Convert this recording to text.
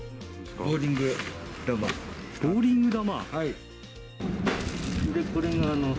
ボウリング玉？